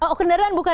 oh kendaraan bukan